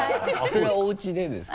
それはおうちでですか？